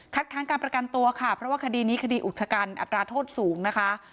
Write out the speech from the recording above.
ค้างการประกันตัวค่ะเพราะว่าคดีนี้คดีอุกชะกันอัตราโทษสูงนะคะ